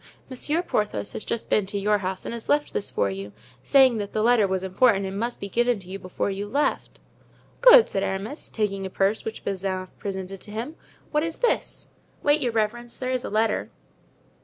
Monsieur Porthos has just been to your house and has left this for you, saying that the letter was important and must be given to you before you left." "Good," said Aramis, taking a purse which Bazin presented to him. "What is this?" "Wait, your reverence, there is a letter."